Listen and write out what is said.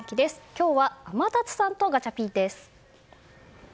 今日は天達さんとガチャピンです。